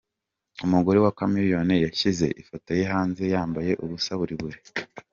Umugore wa Chameleone yashyize ifoto ye hanze yambaye ubusa buri buri.